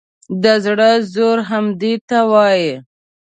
د زړه زور همدې ته وایي.